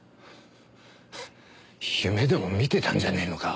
フッ夢でも見てたんじゃねえのか？